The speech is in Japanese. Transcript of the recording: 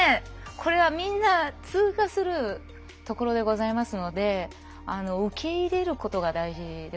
これはみんな通過するところでございますので受け入れることが大事でございますよね。